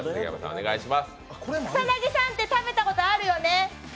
草薙さんって食べたことあるよね？